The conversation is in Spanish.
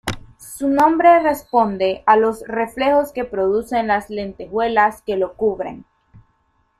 Su nombre responde a los reflejos que producen las lentejuelas que lo cubren.